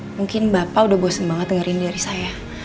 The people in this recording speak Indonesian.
mungkin bapak udah bosen banget dengerin dari saya